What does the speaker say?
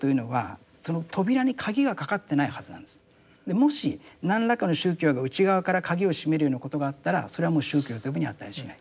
もし何らかの宗教が内側から鍵をしめるようなことがあったらそれはもう宗教と呼ぶに値しない。